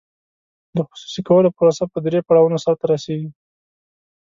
د خصوصي کولو پروسه په درې پړاوونو سر ته رسیږي.